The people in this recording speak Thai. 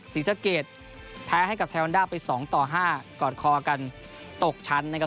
ศรีสะเกดแพ้ให้กับไทยวันด้าไปสองต่อห้ากอดคอกันตกชั้นนะครับ